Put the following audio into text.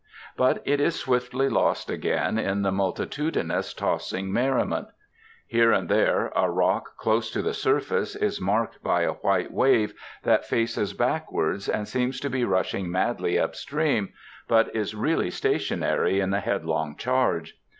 But it is swiftly lost again in the multitudinous tossing merriment. Here and there a rock close to the surface is marked by a white wave that faces backwards and seems to be rushing madly up stream, but is really stationary in the headlong charge.